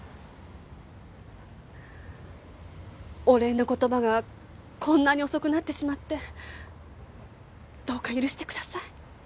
お礼の言葉がこんなに遅くなってしまってどうか許してください。